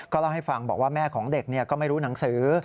เล่าให้ฟังบอกว่าแม่ของเด็กก็ไม่รู้หนังสือ